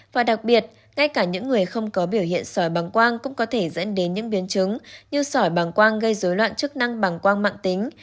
và đặc biệt ngay cả những người không có biểu hiện sỏi bằng quang cũng có thể dẫn đến những biến chứng như sỏi bằng quang gây dối loạn chức năng bằng quang mạng tính